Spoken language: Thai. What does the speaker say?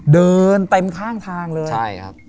เดินเต็มข้างทางเลย